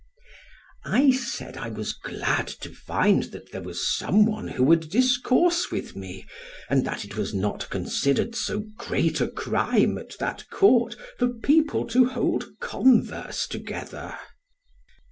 I said I was glad to find that there was some one who would discourse with me, and that it was not considered so great a crime at that Court, for people to hold converse together.